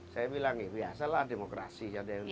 saya bilang biasa lah demokrasi